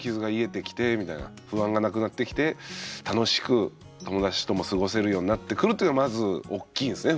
不安がなくなってきて楽しく友達とも過ごせるようになってくるというのまず大きいんすね